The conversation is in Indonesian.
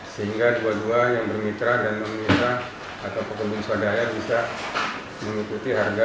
sehingga dua dua yang bermitra dan meminta atau pekebun swadaya bisa mengikuti harga